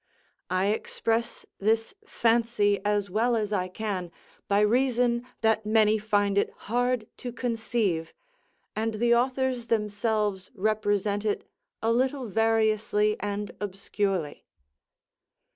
I express this fancy as well as I can, by reason that many find it hard to conceive, and the authors themselves represent it a little variously and obscurely.